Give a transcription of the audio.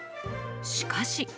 しかし。